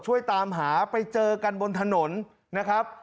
ช่วยตามหาไปเจอกันบนถนนนะครับ